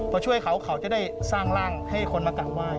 พอช่วยเขาเขาจะได้สร้างร่างให้คนมากราบไหว้